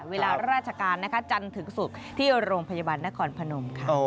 เวลาราชการนะคะจันทร์ถึงศุกร์ที่โรงพยาบาลนครพนมค่ะ